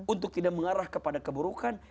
untuk tidak mengarah kepada keburukan